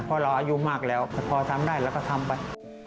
เพราะเราอายุมากแล้วพอทำได้เราก็ทำไป